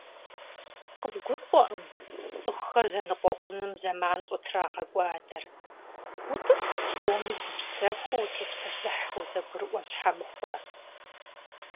КъызгурыӀурэкъым цӀыхухэм зэныкъуэкъуным зэман щӀытрагъэкӀуэдэр, утӀысу псоми гупсэхуу утепсэлъыхь, узэгурыӏуэ щхьэ мыхъурэ?